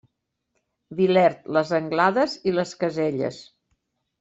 Vilert, Les Anglades i Les Caselles.